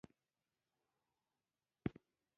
افغانستان د ولایتونو په اړه علمي څېړنې لري.